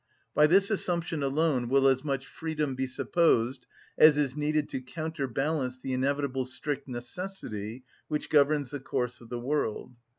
By this assumption alone will as much freedom be supposed as is needed to counterbalance the inevitable strict necessity which governs the course of the world.